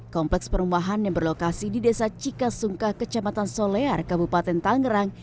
kompleks perumahan yang berlokasi di desa cikasungkah kecamatan solear kabupaten tangerang